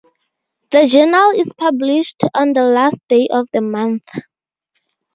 The journal is published on the last day of the month.